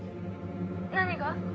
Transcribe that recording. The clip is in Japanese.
何が？